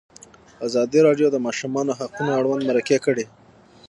ازادي راډیو د د ماشومانو حقونه اړوند مرکې کړي.